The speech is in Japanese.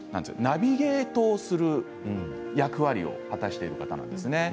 ナビゲーションする役割を果たしている方なんですよね。